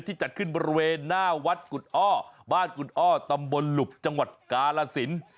จัดขึ้นบริเวณหน้าวัดกุฎอ้อบ้านกุฎอ้อตำบลหลุบจังหวัดกาลสิน